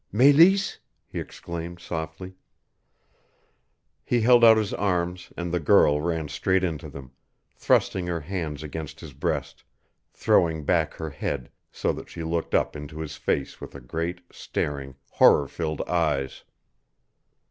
"Meleese?" he exclaimed softly. He held out his arms and the girl ran straight into them, thrusting her hands against his breast, throwing back her head so that she looked up into his face with great, staring, horror filled eyes.